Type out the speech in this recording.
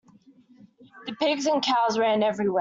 The pigs and cows ran everywhere.